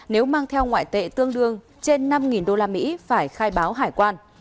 nếu mang theo ngoại tệ tương đương trên năm usd phải khai báo hải quan